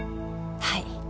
はい。